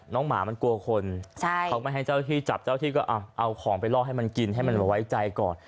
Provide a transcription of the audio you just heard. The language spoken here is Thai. หมามันกลัวคนเขาไม่ให้เจ้าที่จับเจ้าที่ก็เอาของไปล่อให้มันกินให้มันไว้ใจก่อน